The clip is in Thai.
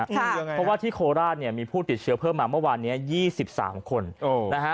เพราะว่าที่โคราชเนี่ยมีผู้ติดเชื้อเพิ่มมาเมื่อวานนี้๒๓คนนะฮะ